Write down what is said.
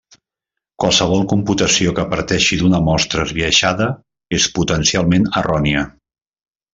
Qualsevol computació que parteixi d'una mostra esbiaixada és potencialment errònia.